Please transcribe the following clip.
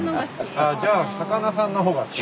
あじゃあ魚さんの方が好き。